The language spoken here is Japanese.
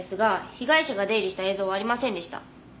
被害者が出入りした映像はありませんでした。